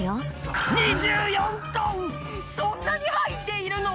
そんなに入っているの？